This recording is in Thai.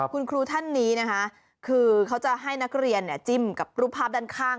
คุณครูท่านนี้นะคะคือเขาจะให้นักเรียนจิ้มกับรูปภาพด้านข้าง